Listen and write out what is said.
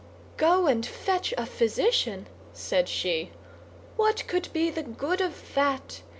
"Go and fetch a physician?" said she. "What could be the good of that?